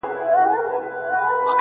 ژه دې اور لکه سکروټې د قلم سه گراني _